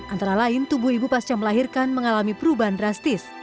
antara lain tubuh ibu pasca melahirkan mengalami perubahan drastis